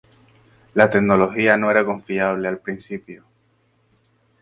La tecnología no era confiable al principio.